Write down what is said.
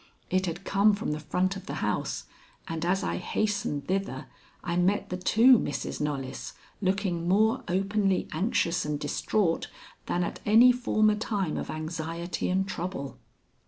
It had come from the front of the house, and, as I hastened thither, I met the two Misses Knollys, looking more openly anxious and distraught than at any former time of anxiety and trouble.